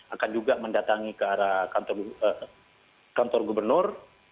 akan juga mendatangi ke arah kantor gubernur